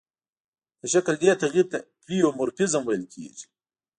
د شکل دې تغیر ته پلئومورفیزم ویل کیږي.